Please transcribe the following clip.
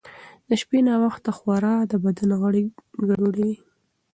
د شپې ناوخته خورا د بدن غړي ګډوډوي.